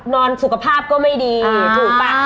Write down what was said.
นอนสุขภาพก็ไม่ดีถูกป่ะ